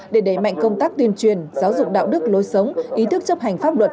để đẩy mạnh công tác tuyên truyền giáo dục đạo đức lối sống ý thức chấp hành pháp luật